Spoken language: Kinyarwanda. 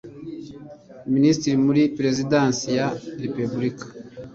minisiteri muri perezidansi ya repubulika